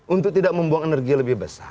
untuk tidak membuang energi lebih besar